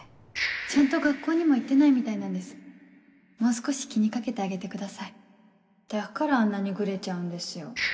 ちゃんと学校にも行ってないみたいなんでもう少し気に掛けてあげてくださいだからあんなにグレちゃうんですよ